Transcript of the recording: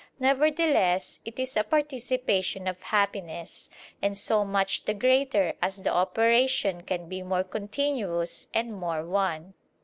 Nevertheless it is a participation of happiness: and so much the greater, as the operation can be more continuous and more one.